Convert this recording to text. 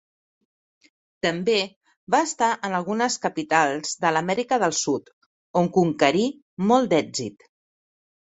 També va estar en algunes capitals de l'Amèrica del Sud, on conquerí molt d'èxit.